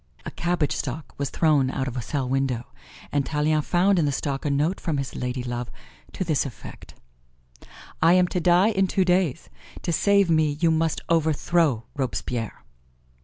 A cabbage stalk was thrown out of a cell window, and Tallien found in the stalk a note from his ladylove to this effect: "I am to die in two days; to save me you must overthrow Robespierre."